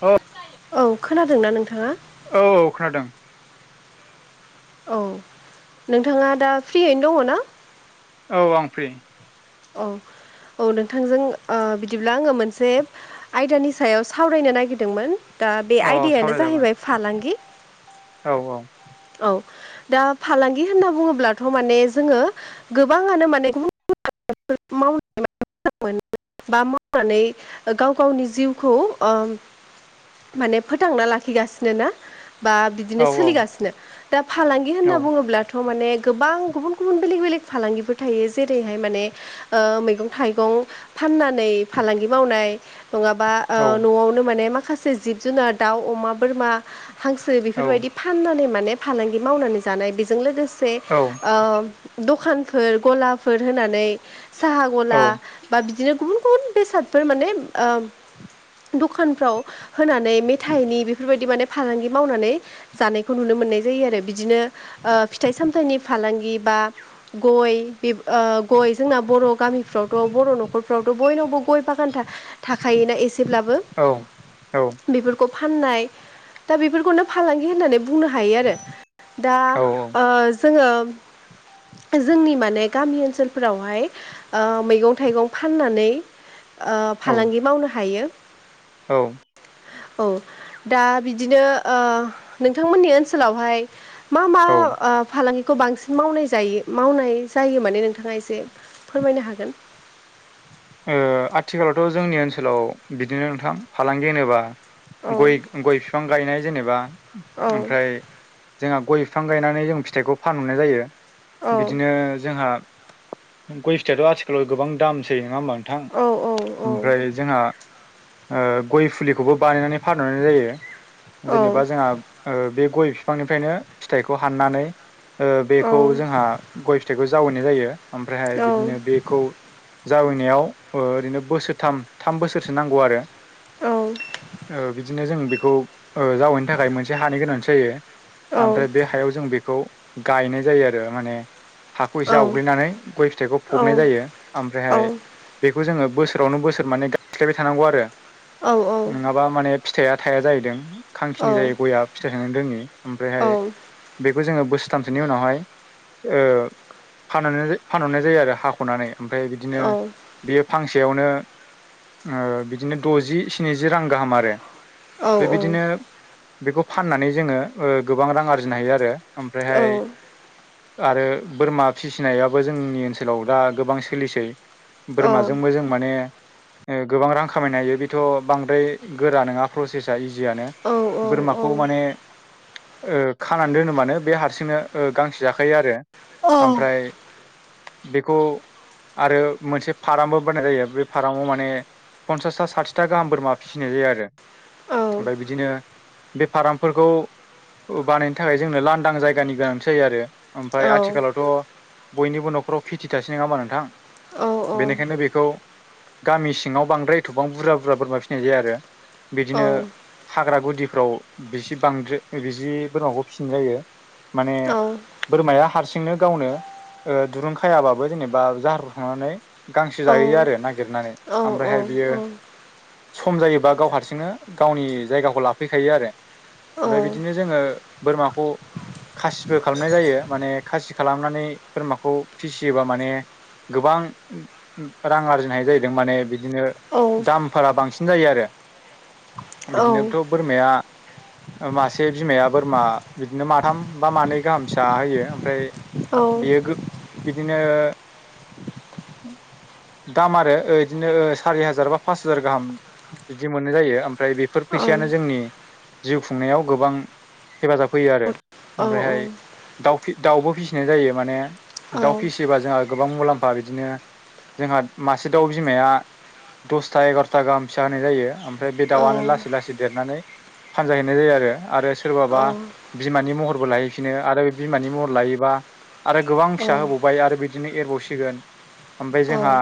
औ औ खोनादोंना नोंथाङा? औ औ खोनादों औ नोंथाङा दा फ्रियैनो दङ ना? औ आं फ्रि। औ औ नोंथांजों बिदिब्ला आङो मोनसे आयदानि सायाव सावरायनो नागिरदोंमोन दा बे अ आयडायानो जाहैबाय फालांगि औ-औ औ दा फालांगि होनना बुङोब्लाथ' माने जोङो गोबाङानो माने [unintelligible] [inaudible] [unintelligible] मावनानै गाव गावनि जिउखौ ओ माने फोथांना लाखिगासिनो ना बा बिदिनो औ सोलिगासिनो दा फालांगि औ होनना बुङोब्लाथ' माने गोबां गुबुन गुबुन बेलेग बेलेक फालांगिफोर थायो जेरैहाय माने मैगं थाइगं फाननानै फालांगि मावनाय नङाबा औ न'आवनो माने माखासे जिब जुनार दाउ अमा बोरमा हांसो औ बेफोरबायदि फाननानै माने फालांगि मावनानै जानाय बेजों लोगोसे औ दखानफोर गलाफोर होनानै साहा गला बा बिदिनो गुबुन गुबुन बेसादफोर माने ओ दखानफ्राव होनानै मेथाइनि बेफोरबायदि माने फालांगि मावनानै जानायखौ खौ नुनो मोननाय जायो आरो बिदिनो फिथाइ सामथायनि फालांगि बा गय बे ओ गय जोंना बर' गामिफ्रावथ' बर' न'खरफ्रावथ' बयनावबो गय बागान था-थाखायोना एसे ब्लाबो बेफोरखौ फाननाय दा बेफोरखौनो फालांगि होन्नानै बुंनो हायो आरो दा ओ जोङो जोंनि माने गामि ओनसोलफोरावहाय ओ मैगं थाइगं फाननानै ओ औ फालांगि मावनो हायो। औ। औ दा बिदिनो ओ नोंथांमोननि ओनसोलावहाय मा मा ओ फालांगि खौ बांसिन मावनाय जायो मावनाय जायो माने नोंथाङा एसे फोरमायनो हागोन? [inaudible] आथिखालावथ' जोंनि ओनसोलाव बिदिनो नोंथां फालांगि होनोबा औ गय-गय बिफां गायनाय जेनेबा औ ओमफ्राय जोंहा गय बिफां गायनानै जों फिथाइखौ फानहरनाय जायो औ बिदिनो जोंहा गय फिथायाथ' आथिखालाव गोबां दामसै नङा होमबा? औ ओमफ्राय जोंहा ओ गय फुलिखौबो बानायनानै फानहनाय जायो औ जेनेबा जोंहा ओ बे गय बिफांनिफ्रायनो फिथाइखौ हाननानै ओ बेखौ औ जोंहा गय फि फिथाइखौ जावहैनाय जायो ओमफ्रायहाय औ बिदिनो बेखौ जावैनायाव ओ ओरैनो बोसोरथाम थाम बोसोरसो नांगौ आरो। ओ बिदिनो जों बेखौ ओ जावैनो थाखाय मोनसे हानाय गोनां जायो। ओमफ्राय बे हायाव जों बेखौ गायनाय जायो आरो माने हाखौ एसे औ आवग्लिनानै गय फिथाइखौ फबनाय जायो ओमफ्रायहाय बे बेखौ जोङो बोसोरावनो बोसोर माने गायस्लायबाय थानांगौ आरो नङाबा माने फिथाइया थाया जाहैदों खांखिनि जायो गया फिथाइ थानो रोङि ओमफ्रायहाय बे जोङो बोसोरथामसोनि उनावहाया ओ फानहरनाय-फानहरनाय जायो आरो हाख'नानै ओमफ्राय बिदिनो बे फांसिन सेयावनो ओ बिदिनो द'जि स्निजि रां गाहाम आरो। बेबायदिनो बेखौ फाननानै जोङो ओ गोबां रां आरजिनो हायो आरो ओमफ्रायहाय आरो बोरमा फिसिनायाबो जोंनि ओनसोलाव दा गोबां सोलिसै बोरमाजोंबो जों माने गोबां रां खामायनो हायो बेथ' बांद्राय गोरा नङा प्रसेसा इजि यानो बोरमाखौ माने ओ खानानै दोनो मानो बे हारसिंनो ओ गांसो जाखायो आरो ओमफ्राय बेखौ आरो मोनसे फार्मबो बानायनाय जायो बे फार्माव माने पन्सासथा साथिथा गाहाम बोरमा फिसिनाय जायो आरो। ओमफ्राय बिदिनो बे फार्मफोरखौ बानायनो थाखाय जोंनो लांदां जायगानि गोनांथि जायो आरो। ओमफ्राय आथिखालावथ' बयनिबो न'खराव खेथि थासै नङा होनबा नोंथां? बेनिखायनो बेखौ गामि सिङाव बांद्राय एथ'बां बुरजा बुरजा बोरमा फिसिनाय जाया आरो बिदिनो हाग्रा गुदि गुदिफ्राव बिसि बांद्रो बिसि बोरमाखौ फिसिनाय जायो। माने औ बोरमाया हारसिंनो गावनो ओ दुरुं खायाबाबो जेनेबा जाहार सनानै गांसो औ जाहैयो आरो नागिरनानै ओमफ्रायहाय बियो सम जायोबा गाव हारसिंनो गावनि जायगाखौ लाफैखायो आरो। ओमफ्राय बिदिनो जोङो बोरमाखौ खासिबो खालामनाय जायो माने खासि खालामनानै बोरमाखौ फिसियोबा माने गोबां रां आरजिनो हायो जाहैदों माने बिदिनो दामफोरा बांसिन जायो आरो बिदिनोथ' बोरमाया मासे बिमाया बोरमा बिदिनो माथाम बा मानै गाहाम फिसा होयो ओमफ्राय औ। बेयो बिदिनो दाम आरो ओ बिदिनो सारि हाजार बा पास हाजार गाहाम बिदि मोननाय जायो ओमफ्राय बेफोर फै- फैसायानो जोंनि जिउ खुंनायाव गोबां हेफाजाब होयो आरो ओमफ्रायहाय दउफि दाउबो फिसिनाय जायो माने दाउ फिसियोबा जोंहा गोबां मुलाम फा बिदिनो जोंहा मासे दउ बिमाया दसथा एगार'था गाहाम फिसा होनाय जायो ओमफ्राय बे दाउआनो लासै लासै देरनानै फानजाहैनाय जायो आरो आरो सोरबाबा बिमानि महर खौलहैफिनो आरो बिमानि महर लायोबा आरो गोबां फिसा होबावबाय आरो बिदिनो एरबावसि सिगोन ओमफ्राय जोंहा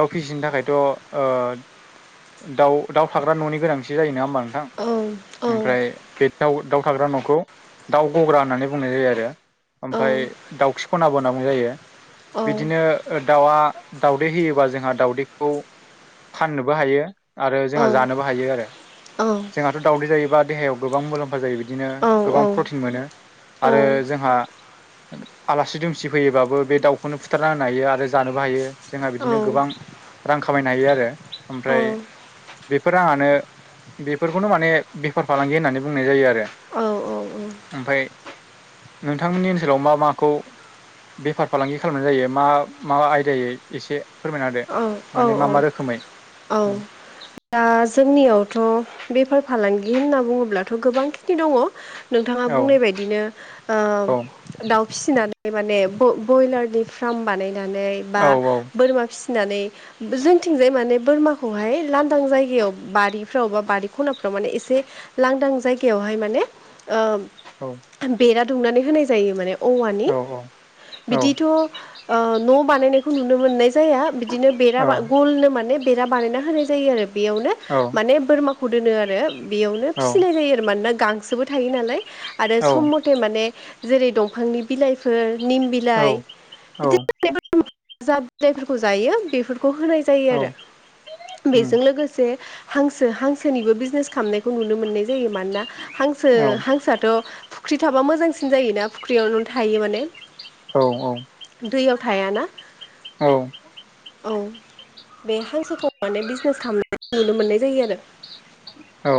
दाउ फिसिनो थाखायथ' ओ दाउ दाउ थाग्रा न'नि गोनांथि जायो नङा होमबा नोंथां ओमफ्राय दाउ दाउ थाग्रा न'खौ दाउ गग्रा होननानै बुंनाय जायो आरो ओमफफ्राय दाउखि खना बोनांगौ जायो बिदिनो दाउआ दाउदै होयोबा जोंहा दाउदैखौ फाननोबो हायो आरो जोंहा जानोबो हायो आरो जोंहाथ' दावदै जायो। बा देहायाव गोबां मुलाम्फा जायो बिदिनो गोबां प्रटिन मोनो आरो जोंहा आलासि दुमसि फैयोबाबबो बे दावउखौनो फुत बुथारना होनो हायो आरो जानोबो हायो जोंहा बिदिनो गोबां रां खामायनो हायो आरो ओमफ्राय बेफोर रांआनो बेफोरखौनो माने बेफार फालांगि होननानै बुंनाय जायो आरो ओमफाय नोंथांमोननि ओनसोलाव मा माखौ बेफार फालांगि खालामनाय जायो। मा माबा आयदायै एसे फोरमायना होदो औ औ माने मा औ मा रोखोमै औ दा जोंनियावथ' बेफार फालांगि होनना बुङोब्लाथ' गोबां खिनि दङ। नोंथाङा बुंनाय बायदिनो ओ औ दउ फिसिनानै माने ब्रयलारनि फार्म बानायनानै बा औ बोरमा फि नानै जोंथिंजाय माने बोरमाखौहाय लांदां जायगायाव बारिफ्राव बा बारि खनाफ्राव माने एसे लांदां जायगायावहाय माने ओ बेरा दुमनानै होनाय जायो माने औवानि औ औ बिदिथ' ओ न' बानायनायखौ नुनो मोननाय जाया। बिदिनो बेराबा गलनो माने बेरा बानायना होनाय जायो आरो बेयावनो औ माने बोरमा खौ दोनो आरो बेयावनो फिसिनाय जायो आरो मानोना गांसोबो थायो नालाय आरो औ सम मथे माने जेरै दंफांनि बिलाइफोर निम बिलाइ औ बिदिनो ज जा बिलाइफोरखौ जायो बेफोर खौ होनाय जायो आरो बेजों लोगोसे हांसो हांसोनिबो बिजनेस खालामनायखौ नुनो मोननाय जायो मानोना हांसो हांसोआथ' फुख्रि थाबा मोजांसिन जायोना फुख्रियावनो थायो माने दैयाव थायाना औ औ बे हांसोखौ माने बिजनेस खालामनाय नुनो मोननाय जायो आरो औ